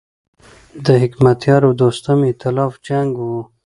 د حکمتیار او دوستم د ایتلاف جنګ و.